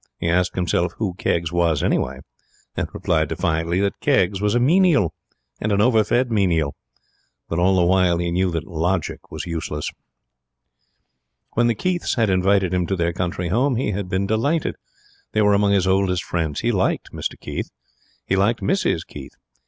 He asked himself who Keggs was, anyway; and replied defiantly that Keggs was a Menial and an overfed Menial. But all the while he knew that logic was useless. When the Keiths had invited him to their country home he had been delighted. They were among his oldest friends. He liked Mr Keith. He liked Mrs Keith.